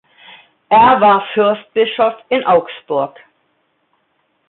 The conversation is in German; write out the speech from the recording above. Er war Fürstbischof in Augsburg.